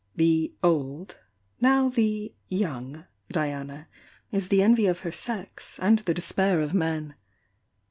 The "old," now the "young" Diana is the envy of her sex and the despair of men.